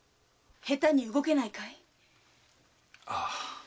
下手に動けないかい？ああ。